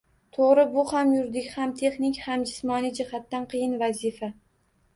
To'g'ri, bu ham yuridik, ham texnik, ham jismoniy jihatdan qiyin vazifa